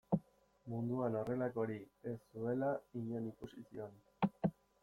Munduan horrelakorik ez zuela inon ikusi zioen.